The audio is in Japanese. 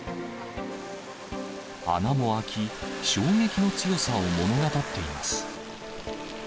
穴も開き、衝撃の強さを物語っています。